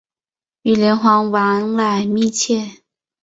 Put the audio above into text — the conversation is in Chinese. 与连横往来密切。